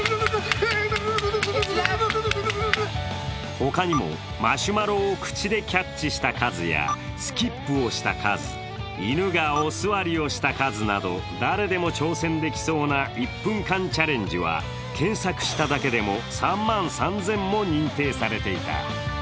他にもマシュマロを口でキャッチした数やスキップをした数、犬がお座りをした数など誰でも挑戦できそうな１分間チャレンジは検索しただけでも３万３０００も認定されていた。